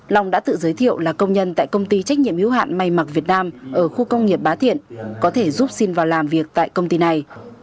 long đã tự giới thiệu là công nhân tại công ty trách nhiệm hiếu hạn may mặc việt nam ở khu công nghiệp bá thiện có thể giúp xin vào làm việc tại công ty này